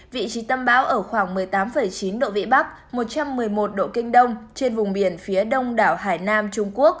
vị trí tâm báo ở khoảng một mươi tám chín độ vĩ bắc một trăm một mươi một độ kinh đông trên vùng biển